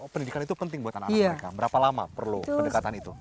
pendidikan itu penting buat anak anak mereka berapa lama perlu pendekatan itu